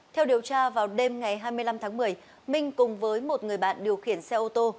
theo điều tra vào đêm ngày hai mươi năm tháng một mươi minh cùng với một người bạn điều khiển xe ô tô